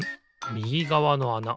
みぎがわのあな